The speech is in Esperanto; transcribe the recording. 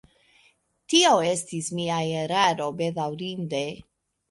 Tio estis mia eraro, bedaŭrinde.